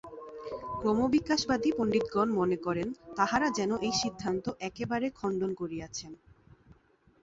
ক্রমবিকাশবাদী পণ্ডিতগণ মনে করেন, তাঁহারা যেন এই সিদ্ধান্ত একেবারে খণ্ডন করিয়াছেন।